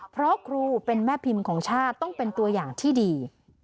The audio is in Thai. เพราะครูเป็นแม่พิมพ์ของชาติต้องเป็นตัวอย่างที่ดี